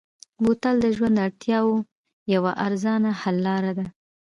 بوتل د ژوند د اړتیاوو یوه ارزانه حل لاره ده.